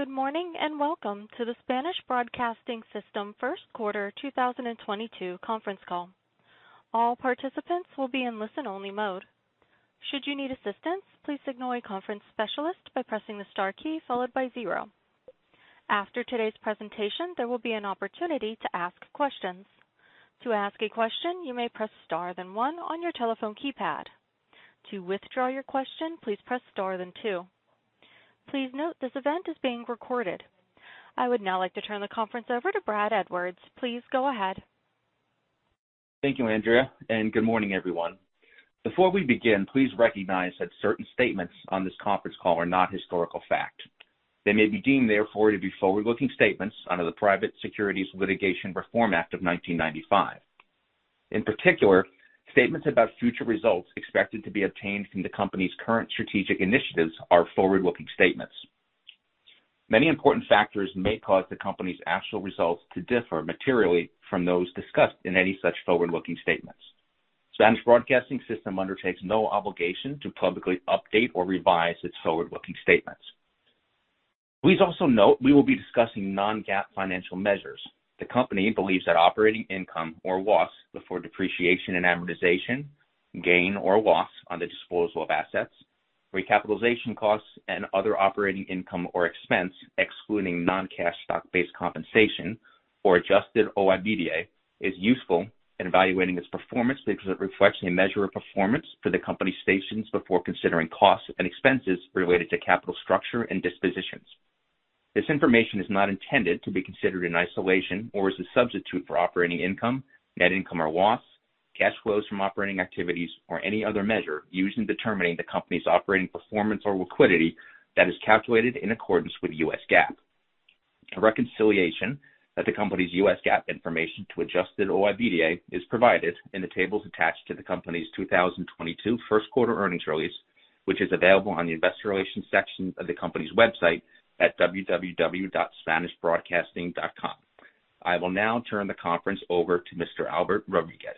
Good morning, and welcome to the Spanish Broadcasting System First Quarter 2022 Conference Call. All participants will be in listen-only mode. Should you need assistance, please signal a conference specialist by pressing the star key followed by zero. After today's presentation, there will be an opportunity to ask questions. To ask a question, you may press Star then one on your telephone keypad. To withdraw your question, please press Star then two. Please note this event is being recorded. I would now like to turn the conference over to Brad Edwards. Please go ahead. Thank you, Andrea, and good morning, everyone. Before we begin, please recognize that certain statements on this conference call are not historical fact. They may be deemed, therefore, to be forward-looking statements under the Private Securities Litigation Reform Act of 1995. In particular, statements about future results expected to be obtained from the company's current strategic initiatives are forward-looking statements. Many important factors may cause the company's actual results to differ materially from those discussed in any such forward-looking statements. Spanish Broadcasting System undertakes no obligation to publicly update or revise its forward-looking statements. Please also note we will be discussing non-GAAP financial measures. The company believes that operating income or loss before depreciation and amortization, gain or loss on the disposal of assets, recapitalization costs, and other operating income or expense, excluding non-cash stock-based compensation or Adjusted OIBDA, is useful in evaluating its performance because it reflects a measure of performance for the company's stations before considering costs and expenses related to capital structure and dispositions. This information is not intended to be considered in isolation or as a substitute for operating income, net income or loss, cash flows from operating activities, or any other measure used in determining the company's operating performance or liquidity that is calculated in accordance with U.S. GAAP. A reconciliation of the company's U.S. GAAP information to Adjusted OIBDA is provided in the tables attached to the company's 2022 first quarter earnings release, which is available on the investor relations section of the company's website at www.spanishbroadcasting.com. I will now turn the conference over to Mr. Albert Rodriguez.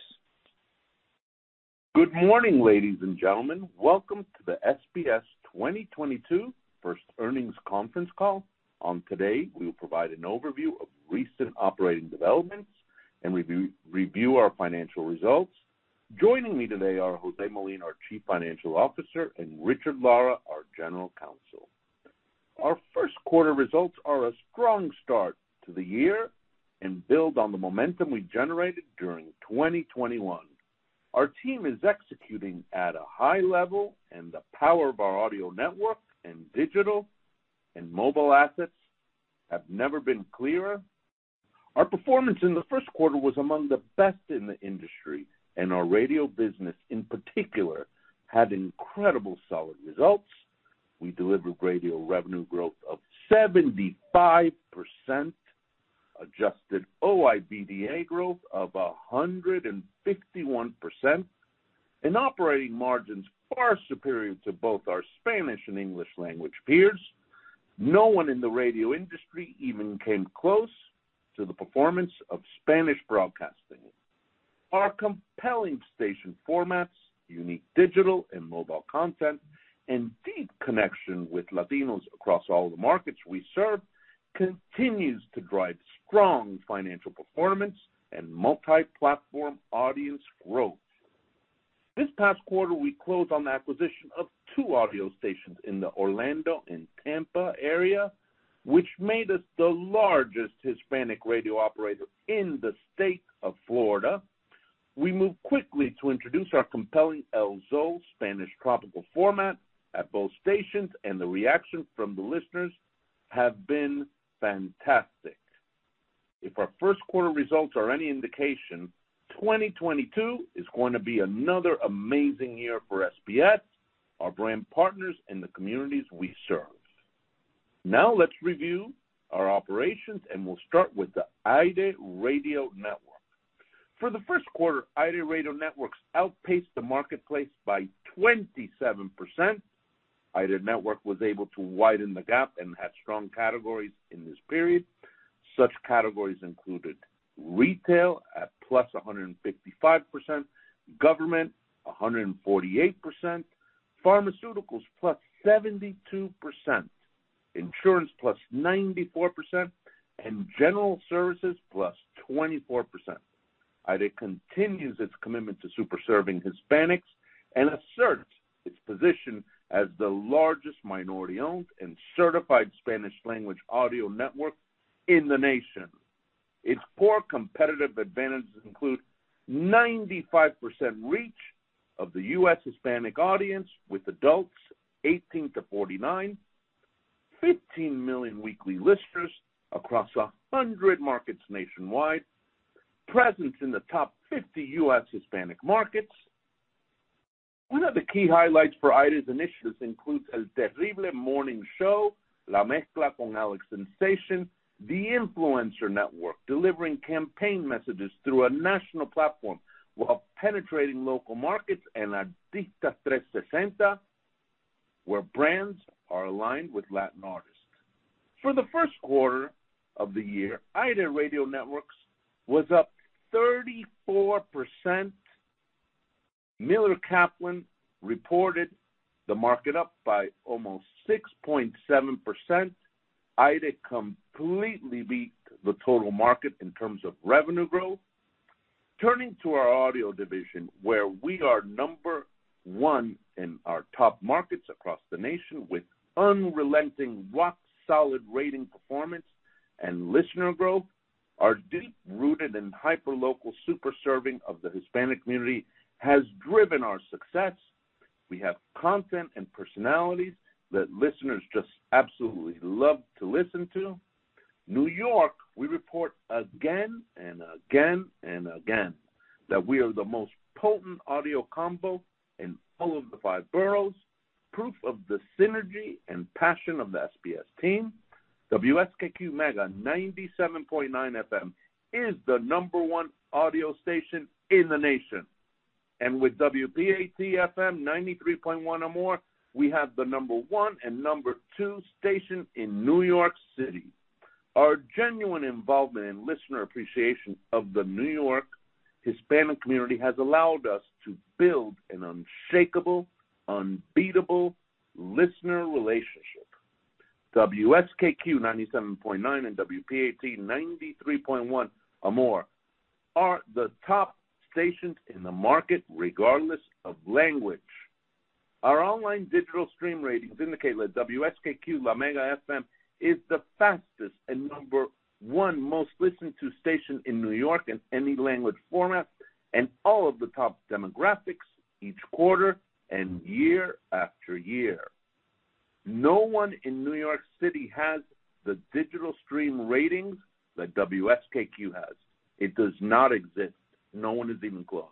Good morning, ladies and gentlemen. Welcome to the SBS 2022 First Earnings Conference Call. On today, we will provide an overview of recent operating developments and review our financial results. Joining me today are José I. Molina, our Chief Financial Officer, and Richard D. Lara, our General Counsel. Our first quarter results are a strong start to the year and build on the momentum we generated during 2021. Our team is executing at a high level and the power of our audio network and digital and mobile assets have never been clearer. Our performance in the first quarter was among the best in the industry, and our radio business in particular had incredible solid results. We delivered radio revenue growth of 75%, Adjusted OIBDA growth of 151%, and operating margins far superior to both our Spanish and English language peers. No one in the radio industry even came close to the performance of Spanish Broadcasting. Our compelling station formats, unique digital and mobile content, and deep connection with Latinos across all the markets we serve continues to drive strong financial performance and multi-platform audience growth. This past quarter, we closed on the acquisition of two audio stations in the Orlando and Tampa area, which made us the largest Hispanic radio operator in the state of Florida. We moved quickly to introduce our compelling El Zol Spanish tropical format at both stations, and the reaction from the listeners have been fantastic. If our first quarter results are any indication, 2022 is going to be another amazing year for SBS, our brand partners, and the communities we serve. Now let's review our operations, and we'll start with the AIRE Radio Network. For the first quarter, AIRE Radio Networks outpaced the marketplace by 27%. AIRE Network was able to widen the gap and had strong categories in this period. Such categories included retail at +155%, government 148%, pharmaceuticals +72%, insurance +94%, and general services +24%. AIRE continues its commitment to super serving Hispanics and asserts its position as the largest minority-owned and certified Spanish language audio network in the nation. Its core competitive advantages include 95% reach of the U.S. Hispanic audience with adults 18-49, 15 million weekly listeners across 100 markets nationwide, presence in the top 50 U.S. Hispanic markets. One of the key highlights for AIRE's initiatives includes Al Aire con el Terrible, La Mezcla con Alex Sensation, the Influencer Network, delivering campaign messages through a national platform while penetrating local markets, and Adicta 360, where brands are aligned with Latin artists. For the first quarter of the year, AIRE Radio Networks was up 34%. Miller Kaplan reported the market up by almost 6.7%. AIRE completely beat the total market in terms of revenue growth. Turning to our audio division, where we are number one in our top markets across the nation with unrelenting, rock-solid rating, performance, and listener growth. Our deep-rooted and hyperlocal super serving of the Hispanic community has driven our success. We have content and personalities that listeners just absolutely love to listen to. New York, we report again and again and again that we are the most potent audio combo in all of the five boroughs. Proof of the synergy and passion of the SBS team. WSKQ-FM Mega 97.9 FM is the number one audio station in the nation. With WPAT-FM 93.1 Amor, we have the number one and number two station in New York City. Our genuine involvement and listener appreciation of the New York Hispanic community has allowed us to build an unshakable, unbeatable listener relationship. WSKQ 97.9 and WPAT 93.1 Amor are the top stations in the market, regardless of language. Our online digital stream ratings indicate that WSKQ La Mega FM is the fastest and number one most listened to station in New York in any language format and all of the top demographics each quarter and year after year. No one in New York City has the digital stream ratings that WSKQ has. It does not exist. No one is even close.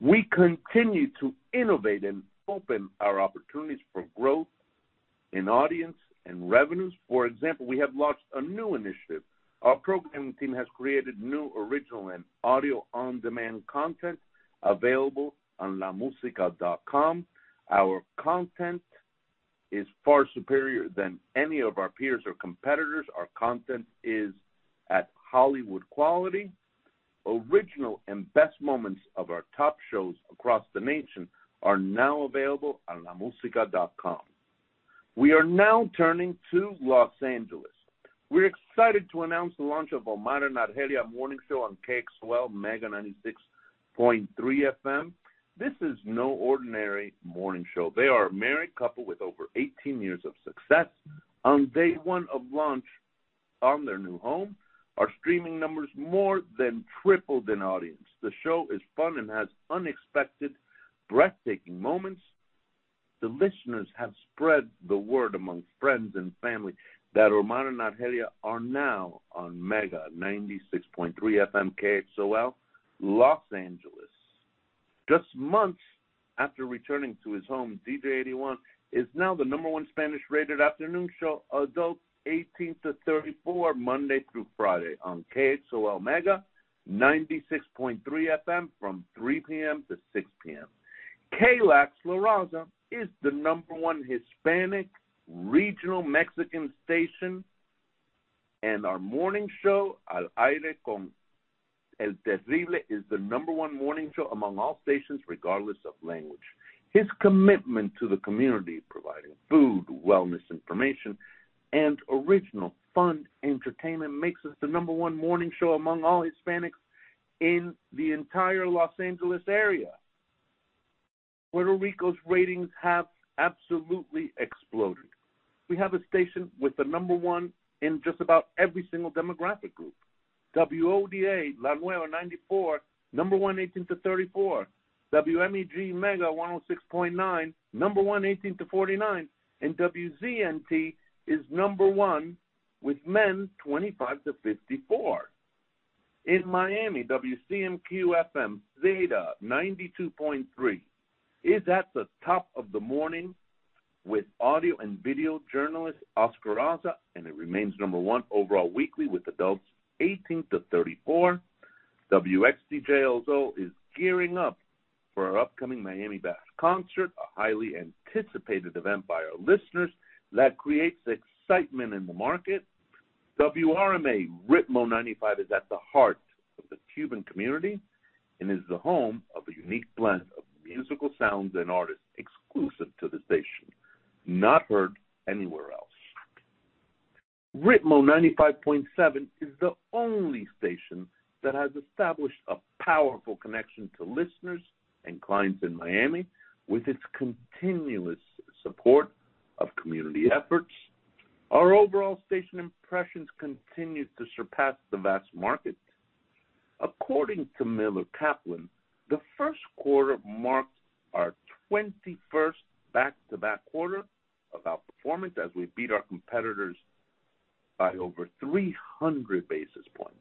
We continue to innovate and open our opportunities for growth in audience and revenues. For example, we have launched a new initiative. Our programming team has created new, original, and audio-on-demand content available on LaMusica.com. Our content is far superior than any of our peers or competitors. Our content is at Hollywood quality. Original and best moments of our top shows across the nation are now available on LaMusica.com. We are now turning to Los Angeles. We're excited to announce the launch of Omar and Argelia Morning Show on KXOL Mega 96.3 FM. This is no ordinary morning show. They are a married couple with over 18 years of success. On day one of launch on their new home, our streaming numbers more than tripled in audience. The show is fun and has unexpected, breathtaking moments. The listeners have spread the word among friends and family that Omar and Argelia are now on Mega 96.3 FM KXOL, Los Angeles. Just months after returning to his home, DJ AI is now the number one Spanish-rated afternoon show, adults 18-34, Monday through Friday on KXOL Mega 96.3 FM from 3 P.M.-6 P.M. KLAX La Raza is the number one Hispanic regional Mexican station, and our morning show, Al Aire con el Terrible, is the number one morning show among all stations, regardless of language. His commitment to the community, providing food, wellness information, and original fun entertainment, makes us the number one morning show among all Hispanics in the entire Los Angeles area. Puerto Rico's ratings have absolutely exploded. We have a station with the number one in just about every single demographic group. WODA, La Nueva 94, number one, 18-34. WMEG, La Mega 106.9, number one, 18-49. WZNT is number one with men 25-54. In Miami, WCMQ-FM Zeta 92.3 is at the top of the morning with audio and video journalist Oscar Haza, and it remains number one overall weekly with adults 18-34. WXDJ El Zol is gearing up for our upcoming MiamiBash concert, a highly anticipated event by our listeners that creates excitement in the market. WRMA Ritmo 95 is at the heart of the Cuban community and is the home of a unique blend of musical sounds and artists exclusive to the station, not heard anywhere else. Ritmo 95.7 is the only station that has established a powerful connection to listeners and clients in Miami with its continuous support of community efforts. Our overall station impressions continued to surpass the vast market. According to Miller Kaplan, the first quarter marked our 21st back-to-back quarter of outperformance as we beat our competitors by over 300 basis points.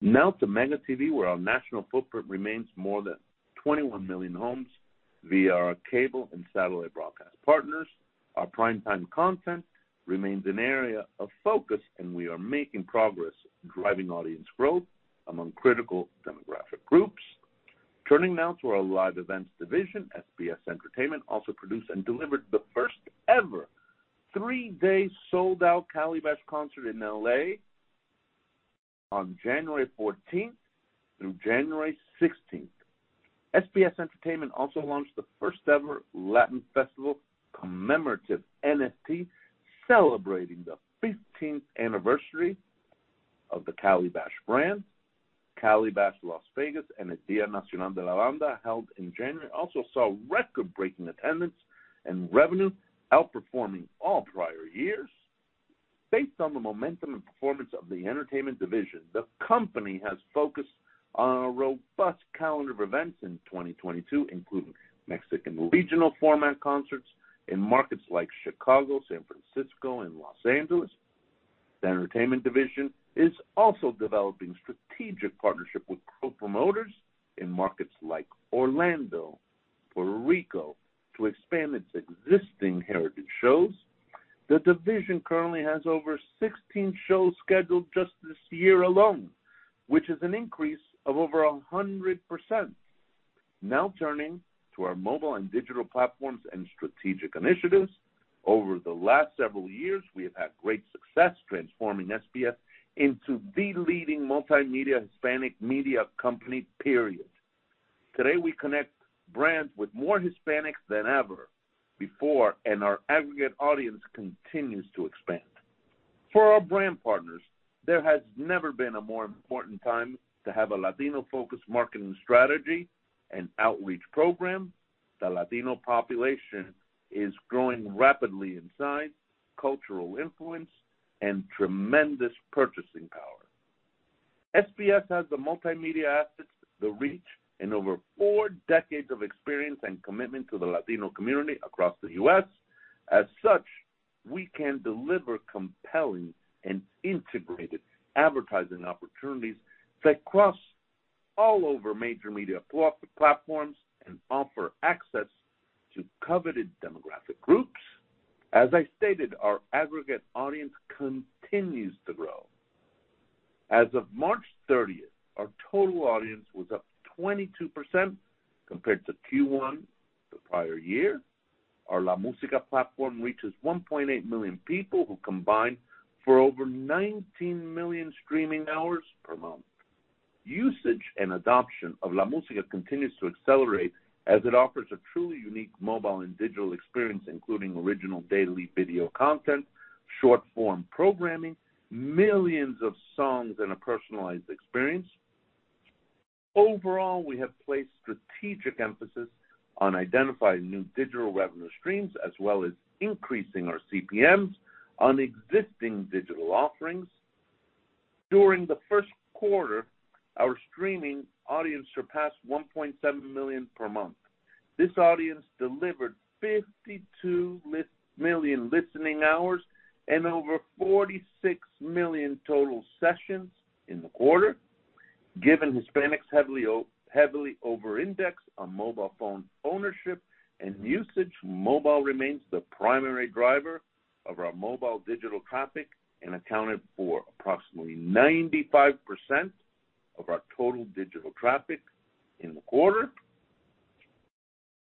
Now to MegaTV, where our national footprint remains more than 21 million homes via our cable and satellite broadcast partners. Our prime time content remains an area of focus, and we are making progress driving audience growth among critical demographic groups. Turning now to our live events division, SBS Entertainment also produced and delivered the first-ever three-day sold-out Calibash concert in L.A. On January 14th through January 16th, SBS Entertainment also launched the first-ever Latin Festival commemorative NFT, celebrating the 15th anniversary of the Calibash brand. Calibash Las Vegas and Día Nacional de la Banda, held in January, also saw record-breaking attendance and revenue outperforming all prior years. Based on the momentum and performance of the entertainment division, the company has focused on a robust calendar of events in 2022, including Mexican regional format concerts in markets like Chicago, San Francisco, and Los Angeles. The entertainment division is also developing strategic partnership with co-promoters in markets like Orlando, Puerto Rico, to expand its existing heritage shows. The division currently has over 16 shows scheduled just this year alone, which is an increase of over 100%. Now turning to our mobile and digital platforms and strategic initiatives. Over the last several years, we have had great success transforming SBS into the leading multimedia Hispanic media company, period. Today, we connect brands with more Hispanics than ever before, and our aggregate audience continues to expand. For our brand partners, there has never been a more important time to have a Latino-focused marketing strategy and outreach program. The Latino population is growing rapidly in size, cultural influence, and tremendous purchasing power. SBS has the multimedia assets, the reach, and over four decades of experience and commitment to the Latino community across the U.S. As such, we can deliver compelling and integrated advertising opportunities that cross all of our major media platforms and offer access to coveted demographic groups. As I stated, our aggregate audience continues to grow. As of March 30, our total audience was up 22% compared to Q1 the prior year. Our LaMusica platform reaches 1.8 million people who combine for over 19 million streaming hours per month. Usage and adoption of LaMusica continues to accelerate as it offers a truly unique mobile and digital experience, including original daily video content, short form programming, millions of songs, and a personalized experience. Overall, we have placed strategic emphasis on identifying new digital revenue streams as well as increasing our CPMs on existing digital offerings. During the first quarter, our streaming audience surpassed 1.7 million per month. This audience delivered 52 million listening hours and over 46 million total sessions in the quarter. Given Hispanics heavily overindex on mobile phone ownership and usage, mobile remains the primary driver of our mobile digital traffic and accounted for approximately 95% of our total digital traffic in the quarter.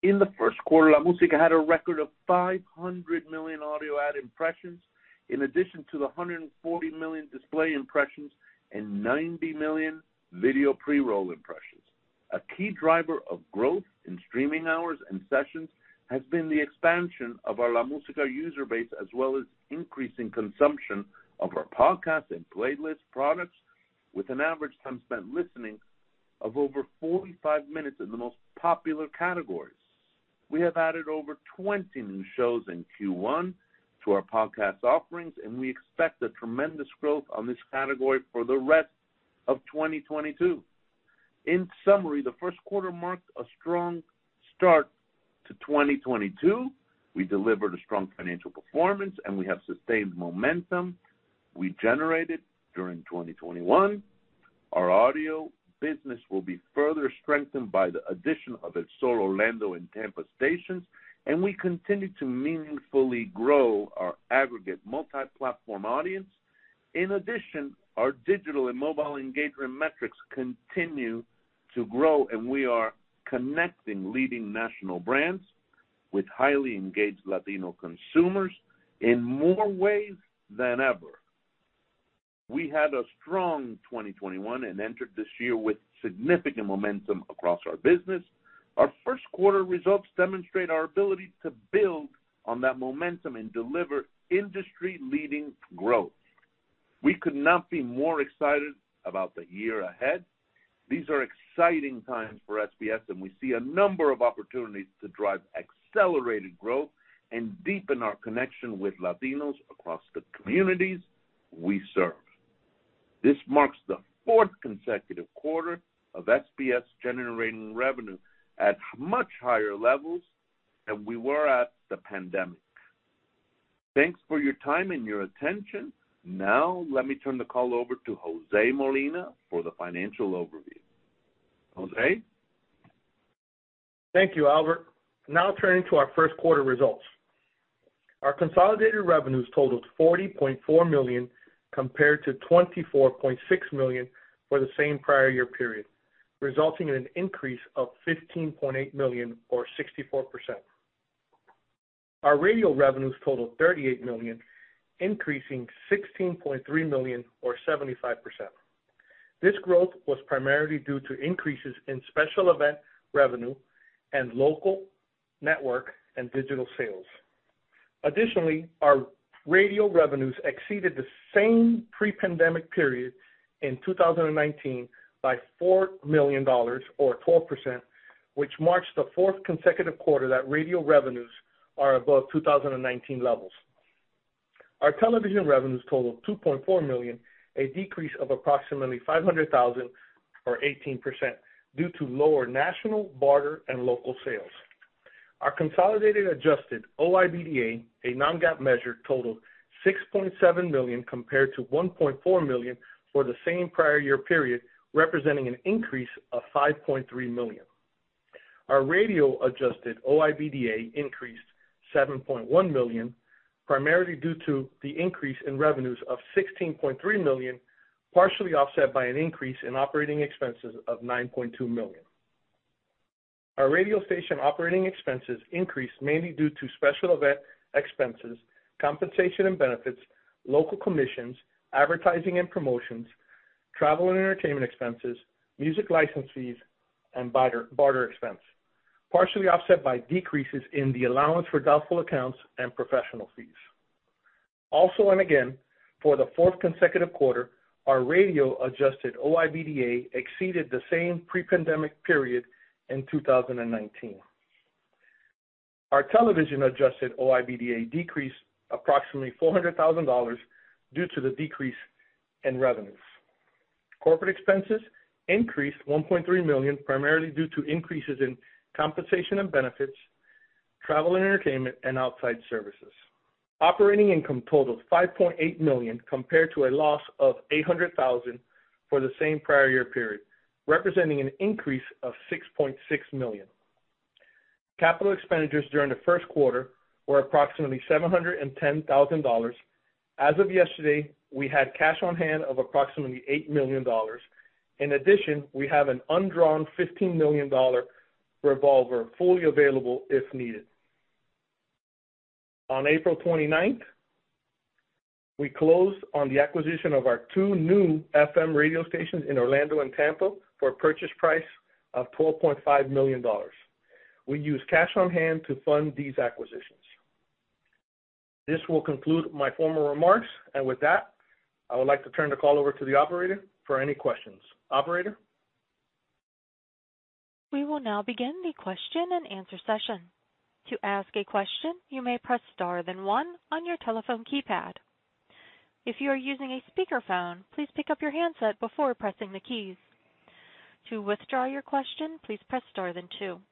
In the first quarter, LaMusica had a record of 500 million audio ad impressions, in addition to the 140 million display impressions and 90 million video pre-roll impressions. A key driver of growth in streaming hours and sessions has been the expansion of our La Música user base, as well as increasing consumption of our podcast and playlist products, with an average time spent listening of over 45 minutes in the most popular categories. We have added over 20 new shows in Q1 to our podcast offerings, and we expect a tremendous growth on this category for the rest of 2022. In summary, the first quarter marked a strong start to 2022. We delivered a strong financial performance, and we have sustained momentum we generated during 2021. Our audio business will be further strengthened by the addition of El Zol Orlando and Tampa stations, and we continue to meaningfully grow our aggregate multi-platform audience. In addition, our digital and mobile engagement metrics continue to grow, and we are connecting leading national brands with highly engaged Latino consumers in more ways than ever. We had a strong 2021 and entered this year with significant momentum across our business. Our first quarter results demonstrate our ability to build on that momentum and deliver industry-leading growth. We could not be more excited about the year ahead. These are exciting times for SBS, and we see a number of opportunities to drive accelerated growth and deepen our connection with Latinos across the communities we serve. This marks the fourth consecutive quarter of SBS generating revenue at much higher levels than we were at the pandemic. Thanks for your time and your attention. Now, let me turn the call over to José Molina for the financial overview. José? Thank you, Albert. Now turning to our first quarter results. Our consolidated revenues totaled $40.4 million, compared to $24.6 million for the same prior year period, resulting in an increase of $15.8 million or 64%. Our radio revenues totaled $38 million, increasing $16.3 million or 75%. This growth was primarily due to increases in special event revenue and local network and digital sales. Additionally, our radio revenues exceeded the same pre-pandemic period in 2019 by $4 million or 12%, which marks the fourth consecutive quarter that radio revenues are above 2019 levels. Our television revenues totaled $2.4 million, a decrease of approximately $500,000 or 18% due to lower national barter and local sales. Our consolidated Adjusted OIBDA, a non-GAAP measure, totaled $6.7 million compared to $1.4 million for the same prior year period, representing an increase of $5.3 million. Our radio Adjusted OIBDA increased $7.1 million, primarily due to the increase in revenues of $16.3 million, partially offset by an increase in operating expenses of $9.2 million. Our radio station operating expenses increased mainly due to special event expenses, compensation and benefits, local commissions, advertising and promotions, travel and entertainment expenses, music license fees, and barter expense, partially offset by decreases in the allowance for doubtful accounts and professional fees. Also and again, for the fourth consecutive quarter, our radio Adjusted OIBDA exceeded the same pre-pandemic period in 2019. Our television Adjusted OIBDA decreased approximately $400,000 due to the decrease in revenues. Corporate expenses increased $1.3 million, primarily due to increases in compensation and benefits, travel and entertainment, and outside services. Operating income totaled $5.8 million compared to a loss of $800,000 for the same prior year period, representing an increase of $6.6 million. Capital expenditures during the first quarter were approximately $710,000. As of yesterday, we had cash on hand of approximately $8 million. In addition, we have an undrawn $15 million revolver fully available if needed. On April 29, we closed on the acquisition of our two new FM radio stations in Orlando and Tampa for a purchase price of $12.5 million. We used cash on hand to fund these acquisitions. This will conclude my formal remarks. With that, I would like to turn the call over to the operator for any questions. Operator? We will now begin the question-and-answer session. To ask a question, you may press star then one on your telephone keypad. If you are using a speakerphone, please pick up your handset before pressing the keys. To withdraw your question, please press star then two.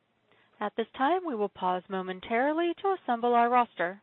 At this time, we will pause momentarily to assemble our roster.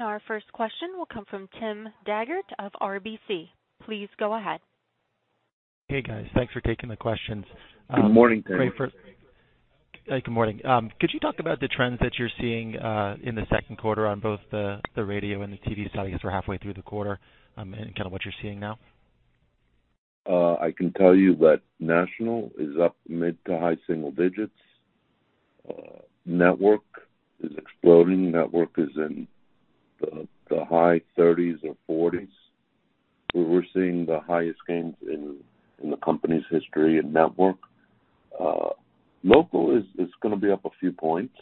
Our first question will come from Tim Daggett of RBC. Please go ahead. Hey, guys. Thanks for taking the questions. Good morning, Tim. Great. Hey, good morning. Could you talk about the trends that you're seeing in the second quarter on both the radio and the TV side as we're halfway through the quarter, and kinda what you're seeing now? I can tell you that national is up mid- to high-single digits. Network is exploding. Network is in the high 30s or 40s. We're seeing the highest gains in the company's history in network. Local is gonna be up a few points.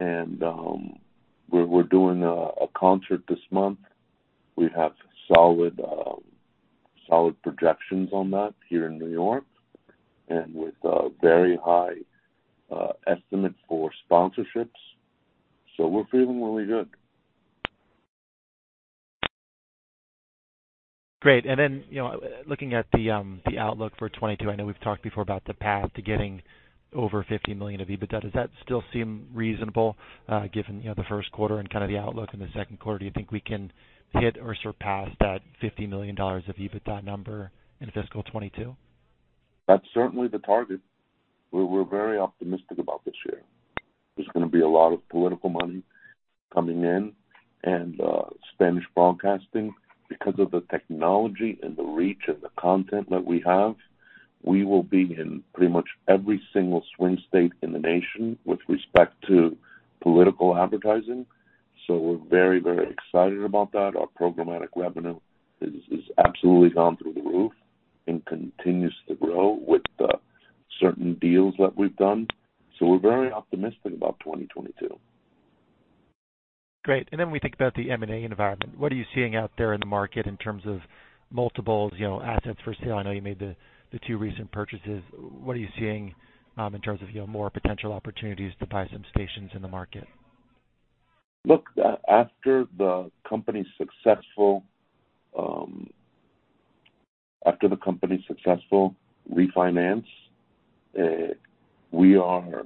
We're doing a concert this month. We have solid projections on that here in New York and with a very high estimate for sponsorships. We're feeling really good. Great. You know, looking at the outlook for 2022, I know we've talked before about the path to getting over $50 million of EBITDA. Does that still seem reasonable, given, you know, the first quarter and kinda the outlook in the second quarter? Do you think we can hit or surpass that $50 million of EBITDA number in fiscal 2022? That's certainly the target. We're very optimistic about this year. There's gonna be a lot of political money coming in and Spanish Broadcasting. Because of the technology and the reach and the content that we have, we will be in pretty much every single swing state in the nation with respect to political advertising. We're very, very excited about that. Our programmatic revenue is absolutely gone through the roof and continues to grow with the certain deals that we've done. We're very optimistic about 2022. Great. We think about the M&A environment. What are you seeing out there in the market in terms of multiples, you know, assets for sale? I know you made the two recent purchases. What are you seeing in terms of, you know, more potential opportunities to buy some stations in the market? Look, after the company's successful. After the company's successful refinance, we are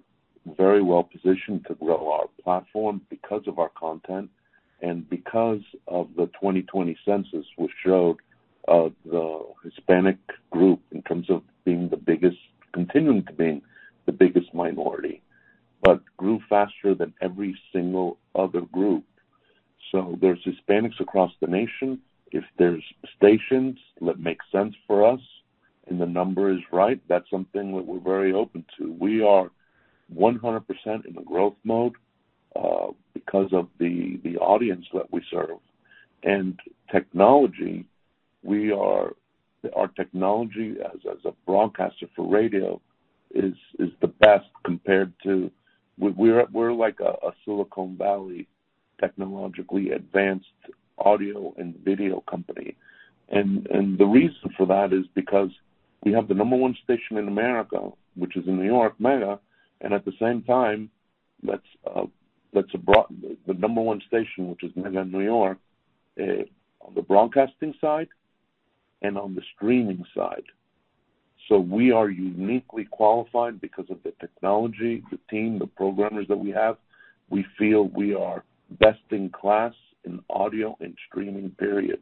very well positioned to grow our platform because of our content and because of the 2020 census, which showed the Hispanic group in terms of continuing to be the biggest minority, but grew faster than every single other group. There's Hispanics across the nation. If there's stations that make sense for us and the number is right, that's something that we're very open to. We are 100% in the growth mode because of the audience that we serve. Our technology as a broadcaster for radio is the best compared to. We're like a Silicon Valley technologically advanced audio and video company. The reason for that is because we have the number one station in America, which is in New York, Mega. At the same time, that's the number one station, which is Mega New York, on the broadcasting side and on the streaming side. We are uniquely qualified because of the technology, the team, the programmers that we have. We feel we are best in class in audio and streaming, period.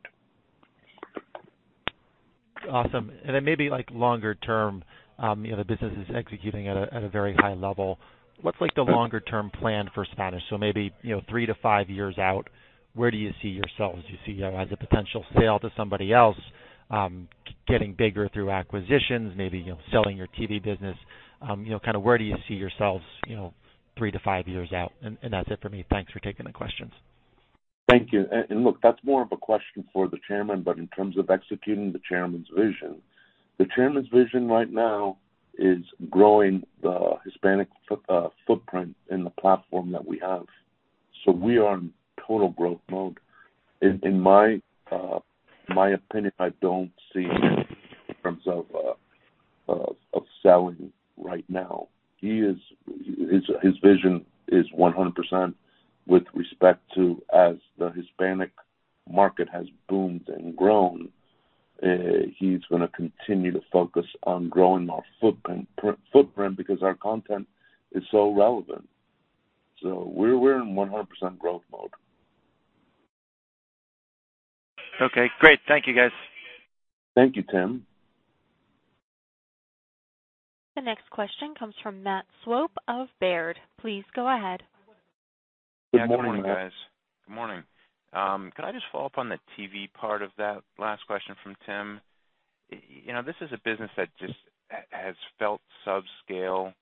Awesome. Then maybe like longer term, you know, the business is executing at a very high level. What's like the longer term plan for Spanish? Maybe, you know, three to five years out, where do you see yourselves? Do you see as a potential sale to somebody else, getting bigger through acquisitions, maybe, you know, selling your TV business? You know, kind of where do you see yourselves, you know, three to five years out? And that's it for me. Thanks for taking the questions. Thank you. Look, that's more of a question for the chairman, but in terms of executing the chairman's vision, the chairman's vision right now is growing the Hispanic footprint in the platform that we have. We are in total growth mode. In my opinion, I don't see in terms of selling right now. His vision is 100% with respect to as the Hispanic market has boomed and grown, he's gonna continue to focus on growing our footprint because our content is so relevant. We're in 100% growth mode. Okay, great. Thank you, guys. Thank you, Tim. The next question comes from Matt Swope of Baird. Please go ahead. Good morning, Matt. Good morning, guys. Good morning. Could I just follow up on the TV part of that last question from Tim? You know, this is a business that just has felt subscale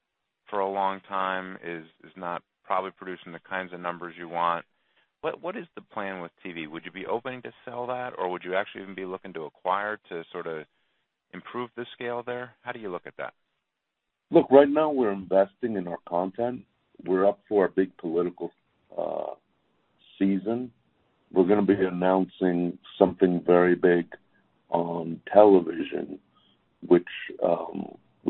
for a long time, is not probably producing the kinds of numbers you want. What is the plan with TV? Would you be open to sell that, or would you actually even be looking to acquire to sort of improve the scale there? How do you look at that? Look, right now we're investing in our content. We're up for a big political season. We're gonna be announcing something very big on television, which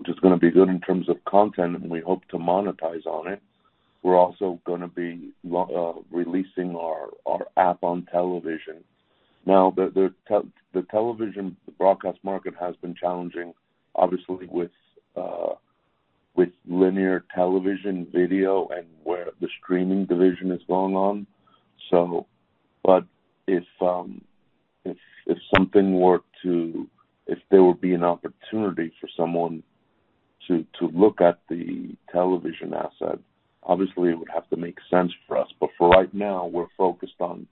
is gonna be good in terms of content, and we hope to monetize on it. We're also gonna be releasing our app on television. Now, the television broadcast market has been challenging, obviously with linear television video and where the streaming division is going on. If there would be an opportunity for someone to look at the television asset, obviously it would have to make sense for us. For right now, we're focused on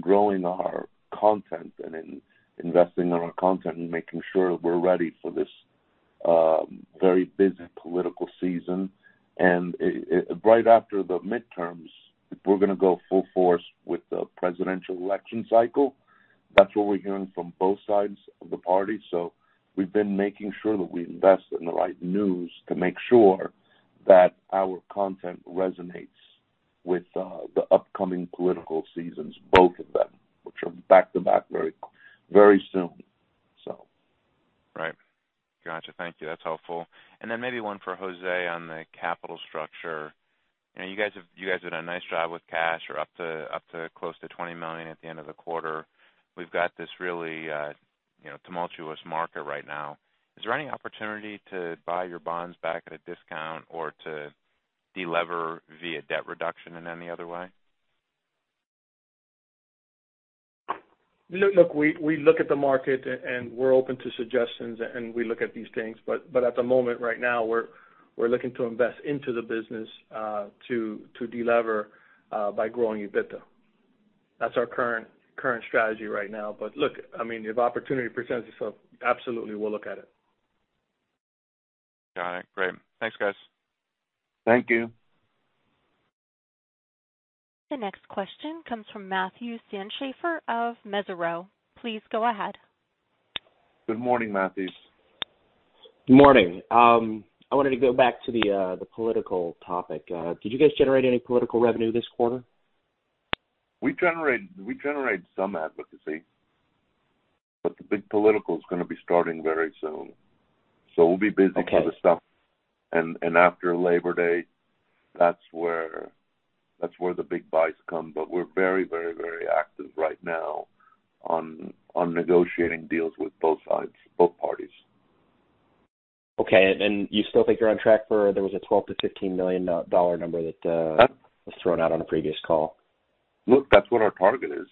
growing our content and investing in our content and making sure that we're ready for this very busy political season. Right after the midterms, we're gonna go full force with the presidential election cycle. That's what we're hearing from both sides of the party. We've been making sure that we invest in the right news to make sure that our content resonates with the upcoming political seasons, both of them, which are back-to-back very soon. Right. Gotcha. Thank you. That's helpful. Maybe one for José on the capital structure. You know, you guys have, you guys did a nice job with cash. You're up to close to $20 million at the end of the quarter. We've got this really, you know, tumultuous market right now. Is there any opportunity to buy your bonds back at a discount or to de-lever via debt reduction in any other way? Look, we look at the market and we're open to suggestions, and we look at these things. At the moment right now, we're looking to invest into the business, to de-lever by growing EBITDA. That's our current strategy right now. Look, I mean, if opportunity presents itself, absolutely, we'll look at it. Got it. Great. Thanks, guys. Thank you. The next question comes from Matthew Sandschafer of Mesirow. Please go ahead. Good morning, Matthew. Good morning. I wanted to go back to the political topic. Did you guys generate any political revenue this quarter? We generate some advocacy, but the big political is gonna be starting very soon. We'll be busy kind of stuff. After Labor Day, that's where the big buys come. We're very active right now on negotiating deals with both sides, both parties. Okay. You still think you're on track for the $12 million-$15 million dollar number that, Yeah was thrown out on a previous call. Look, that's what our target is.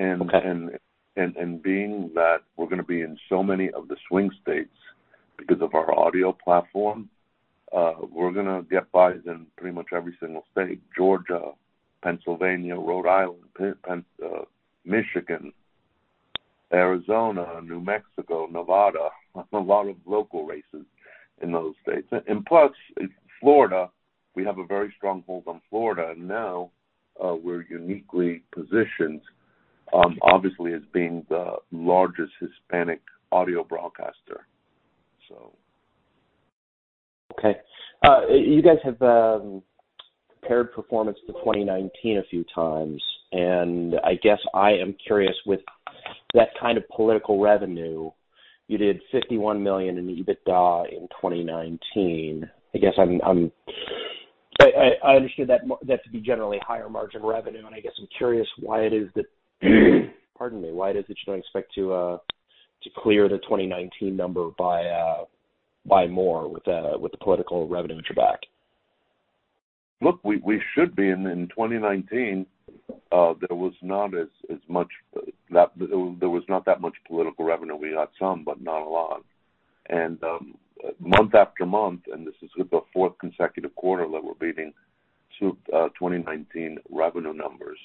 Okay. Being that we're gonna be in so many of the swing states because of our audio platform, we're gonna get buys in pretty much every single state, Georgia, Pennsylvania, Rhode Island, Pennsylvania, Michigan, Arizona, New Mexico, Nevada, a lot of local races in those states. Plus, Florida, we have a very strong hold on Florida. Now, we're uniquely positioned, obviously, as being the largest Hispanic audio broadcaster, so. Okay. You guys have compared performance to 2019 a few times, and I guess I am curious with that kind of political revenue, you did $51 million in EBITDA in 2019. I guess I understand that to be generally higher margin revenue, and I guess I'm curious why it is that you don't expect to clear the 2019 number by more with the political revenue that you have. Look, we should be. In 2019, there was not that much political revenue. We had some, but not a lot. Month after month, this is the fourth consecutive quarter that we're beating 2019 revenue numbers.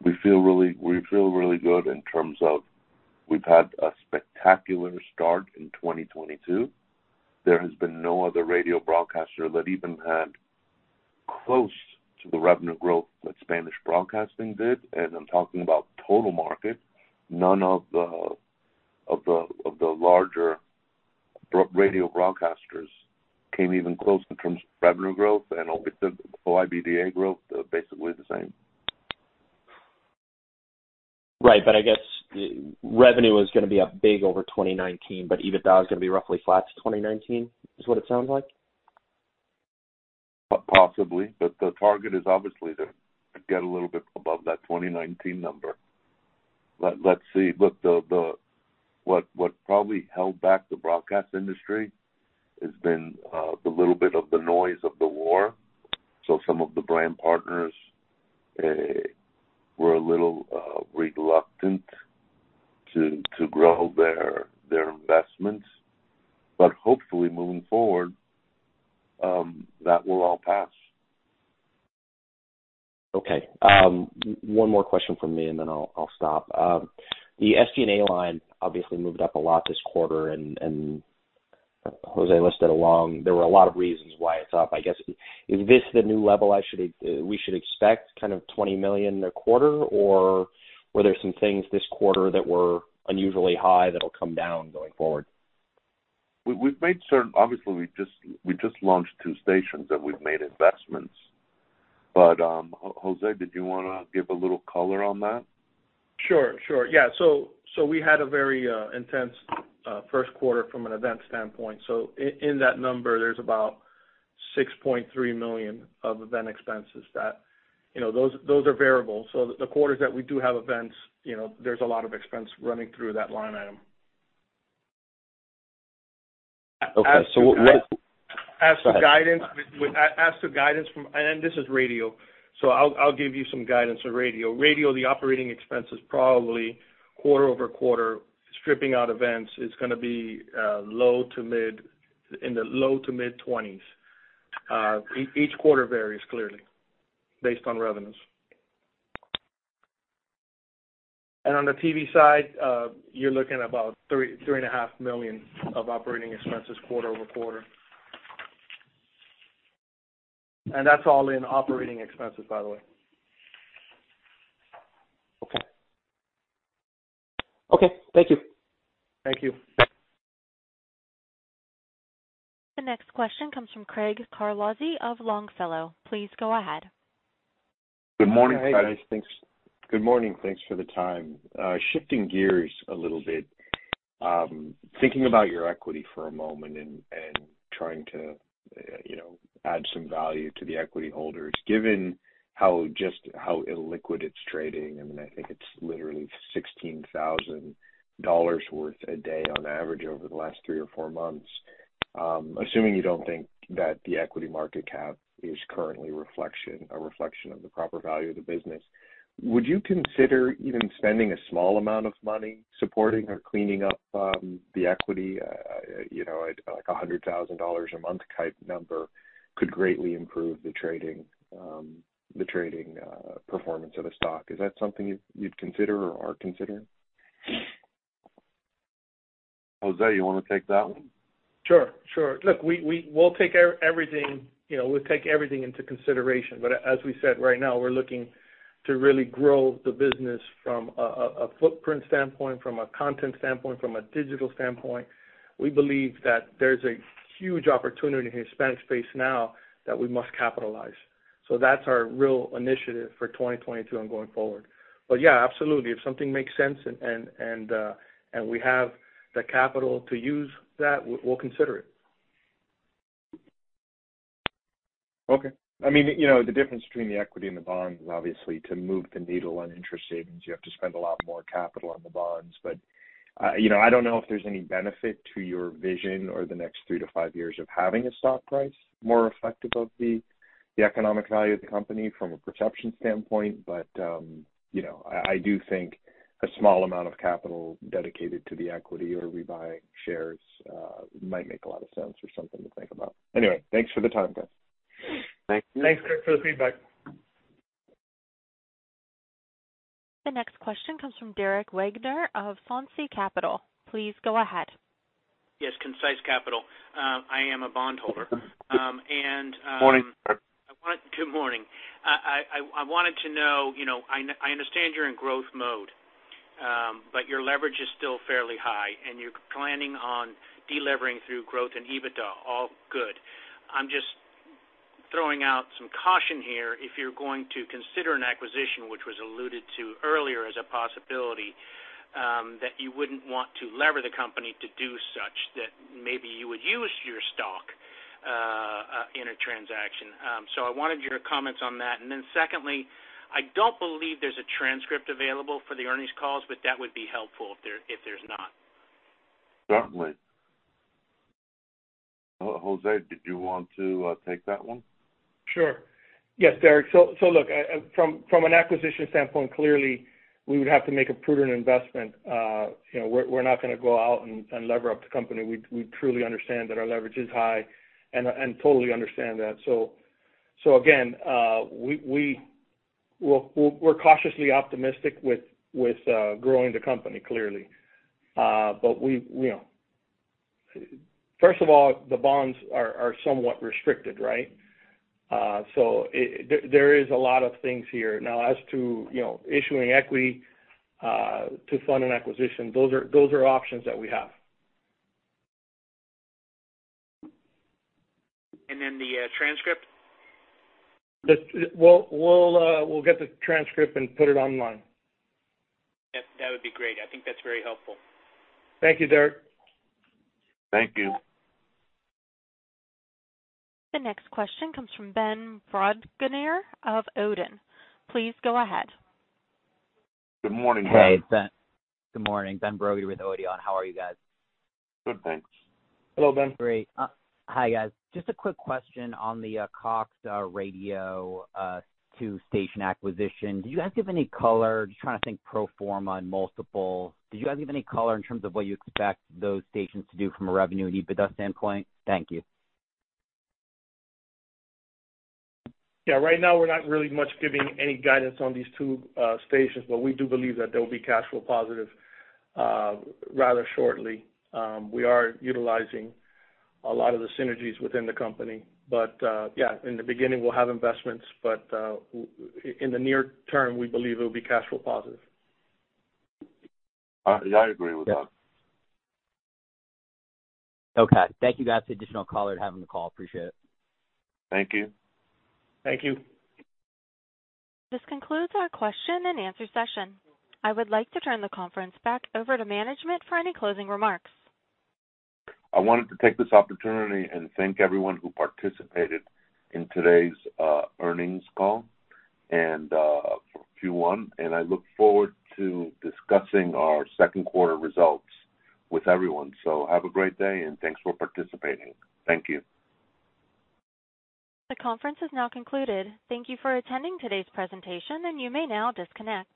We feel really good in terms of we've had a spectacular start in 2022. There has been no other radio broadcaster that even had close to the revenue growth that Spanish Broadcasting did, and I'm talking about total market. None of the larger broadcast radio broadcasters came even close in terms of revenue growth and OIBDA growth, basically the same. Right. I guess revenue is gonna be up big over 2019, but EBITDA is gonna be roughly flat to 2019, is what it sounds like? Possibly. The target is obviously to get a little bit above that 2019 number. Let's see. Look, what probably held back the broadcast industry has been the little bit of the noise of the war. Some of the brand partners were a little reluctant to grow their investments. Hopefully moving forward, that will all pass. Okay. One more question from me, and then I'll stop. The SG&A line obviously moved up a lot this quarter, and José listed along there were a lot of reasons why it's up. I guess, is this the new level we should expect, kind of $20 million a quarter, or were there some things this quarter that were unusually high that'll come down going forward? We've made certain investments. Obviously, we just launched two stations that we've made investments. José, did you wanna give a little color on that? Sure. Yeah. We had a very intense first quarter from an event standpoint. In that number, there's about $6.3 million of event expenses that. You know, those are variable. The quarters that we do have events, you know, there's a lot of expense running through that line item. Okay. What As to guidance. Go ahead. This is radio, so I'll give you some guidance on radio. Radio, the operating expense is probably quarter-over-quarter. Stripping out events is gonna be low to mid in the low to mid-20s. Each quarter varies clearly based on revenues. On the TV side, you're looking at about $3 million-$3.5 million of operating expenses quarter-over-quarter. That's all in operating expenses, by the way. Okay. Okay, thank you. Thank you. The next question comes from Craig Carlozzi of Longfellow. Please go ahead. Good morning, Craig. Hey, guys. Thanks. Good morning. Thanks for the time. Shifting gears a little bit, thinking about your equity for a moment and trying to, you know, add some value to the equity holders, given how, just how illiquid it's trading, I mean, I think it's literally $16,000 worth a day on average over the last three or four months. Assuming you don't think that the equity market cap is currently a reflection of the proper value of the business, would you consider even spending a small amount of money supporting or cleaning up the equity? You know, like a $100,000 a month type number could greatly improve the trading performance of the stock. Is that something you'd consider or are considering? José, you wanna take that one? Sure. Look, we'll take everything, you know, we'll take everything into consideration. As we said right now we're looking to really grow the business from a footprint standpoint, from a content standpoint, from a digital standpoint. We believe that there's a huge opportunity in the Hispanic space now that we must capitalize. That's our real initiative for 2022 and going forward. Yeah, absolutely. If something makes sense and we have the capital to use that, we'll consider it. Okay. I mean, you know, the difference between the equity and the bond is obviously to move the needle on interest savings, you have to spend a lot more capital on the bonds. You know, I don't know if there's any benefit to your vision or the next three to five years of having a stock price more reflective of the economic value of the company from a perception standpoint. You know, I do think a small amount of capital dedicated to the equity or rebuying shares might make a lot of sense or something to think about. Anyway, thanks for the time, guys. Thank you. Thanks, Craig Carlozzi, for the feedback. The next question comes from Derek Wagner of Concise Capital. Please go ahead. Yes, Concise Capital. I am a bondholder. Morning. Good morning. I wanted to know, you know, I understand you're in growth mode, but your leverage is still fairly high, and you're planning on delevering through growth and EBITDA. All good. I'm just throwing out some caution here. If you're going to consider an acquisition, which was alluded to earlier as a possibility, that you wouldn't want to lever the company to do such, that maybe you would use your stock in a transaction. I wanted your comments on that. Secondly, I don't believe there's a transcript available for the earnings calls, but that would be helpful if there's not. Certainly. José, did you want to take that one? Sure. Yes, Derek. Look, from an acquisition standpoint, clearly we would have to make a prudent investment. You know, we're not gonna go out and lever up the company. We truly understand that our leverage is high and totally understand that. Again, we're cautiously optimistic with growing the company, clearly. But we, you know, first of all, the bonds are somewhat restricted, right? There is a lot of things here. Now, as to, you know, issuing equity to fund an acquisition, those are options that we have. Then the transcript? We'll get the transcript and put it online. That would be great. I think that's very helpful. Thank you, Derek. Thank you. The next question comes from Ben Brog of Odeon Capital Group. Please go ahead. Good morning, Ben. Hey, it's Ben. Good morning. Ben Brog with Odeon. How are you guys? Good, thanks. Hello, Ben. Great. Hi, guys. Just a quick question on the Cox Radio two station acquisition. Do you guys give any color? Just trying to think pro forma on multiple. Did you guys give any color in terms of what you expect those stations to do from a revenue and EBITDA standpoint? Thank you. Yeah. Right now we're not really much giving any guidance on these two stations, but we do believe that they'll be cash flow positive rather shortly. We are utilizing a lot of the synergies within the company. Yeah, in the beginning, we'll have investments, but in the near term, we believe it will be cash flow positive. Yeah, I agree with that. Yeah. Okay. Thank you, guys. Additional color having the call. Appreciate it. Thank you. Thank you. This concludes our question and answer session. I would like to turn the conference back over to management for any closing remarks. I wanted to take this opportunity and thank everyone who participated in today's earnings call and Q1, and I look forward to discussing our second quarter results with everyone. Have a great day, and thanks for participating. Thank you. The conference is now concluded. Thank you for attending today's presentation, and you may now disconnect.